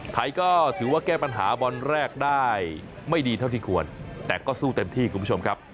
ไทยก็ถือว่าแก้ปัญหาบอลแรกได้ไม่ดีเท่าที่ควรแต่ก็สู้เต็มที่คุณผู้ชมครับ